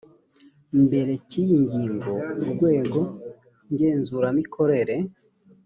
mbere cy iyi ngingo urwego ngenzuramikorere